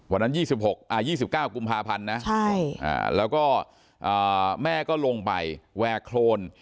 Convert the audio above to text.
วันนั้น๒๙กุมภาพันธ์นะแล้วก็แม่ก็ลงไปแวร์โครน